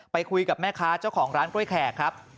ไปคุยกับแม่ค้าเจ้าของร้านกล้วยแขกครับ